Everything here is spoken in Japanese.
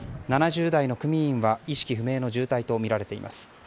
７０代の組員は意識不明の重体とみられています。